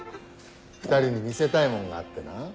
２人に見せたいもんがあってな。